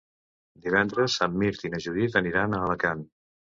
Divendres en Mirt i na Judit aniran a Alacant.